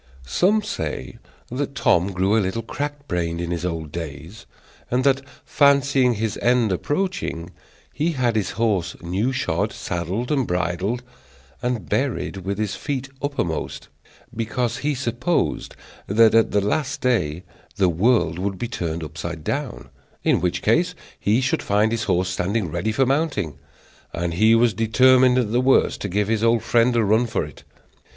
Some say that Tom grew a little crack brained in his old days, and that, fancying his end approaching, he had his horse new shod, saddled, and bridled, and buried with his feet uppermost; because he supposed that at the last day the world would be turned upside down; in which case he should find his horse standing ready for mounting, and he was determined at the worst to give his old friend a run for it.